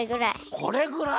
これぐらい？